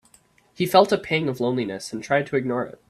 He felt a pang of loneliness and tried to ignore it.